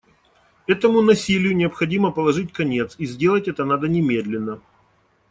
Этому насилию необходимо положить конец, и сделать это надо немедленно.